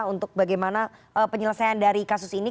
untuk bagaimana penyelesaian dari kasus ini